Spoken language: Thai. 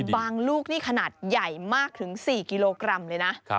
ลูกนี่ขนาดใหญ่มากถึง๔กิโลกรัมเลยนะ